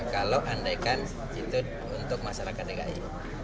kalau andaikan itu untuk masyarakat dki